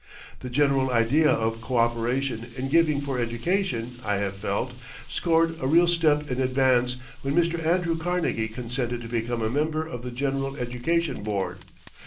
The general idea of coöperation in giving for education, I have felt, scored a real step in advance when Mr. Andrew Carnegie consented to become a member of the General Education Board.